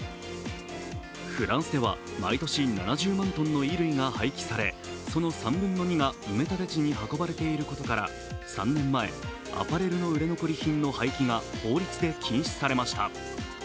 フランスでは毎年７０万ｔの衣類が廃棄されその３分の２が埋め立て地に運ばれていることから、３年前、アパレルの売れ残り品の廃棄が法律で禁止されました。